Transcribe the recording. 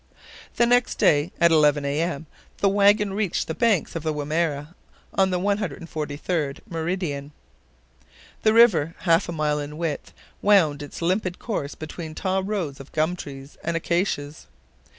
The next day, at 11 A. M., the wagon reached the banks of the Wimerra on the 143d meridian. The river, half a mile in width, wound its limpid course between tall rows of gum trees and acacias.